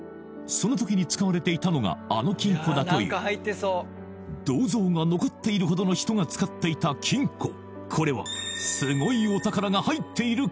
そのときに使われていたのがあの金庫だという銅像が残っているほどの人が使っていた金庫